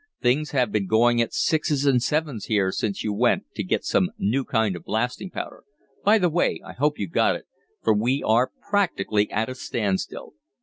"Things have been going at sixes and sevens here since you went to get some new kind of blasting powder. By the way, I hope you got it, for we are practically at a standstill."